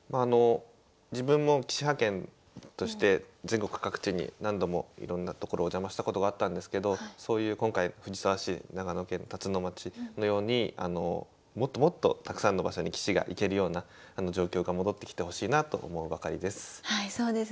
自分も棋士派遣として全国各地に何度もいろんな所お邪魔したことがあったんですけどそういう今回藤沢市長野県辰野町のようにもっともっとたくさんの場所に棋士が行けるような状況が戻ってきてほしいなと思うばかりです。